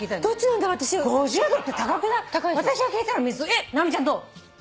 えっ直美ちゃんどう？